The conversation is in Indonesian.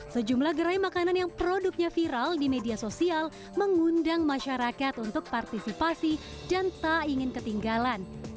sejumlah gerai makanan yang produknya viral di media sosial mengundang masyarakat untuk partisipasi dan tak ingin ketinggalan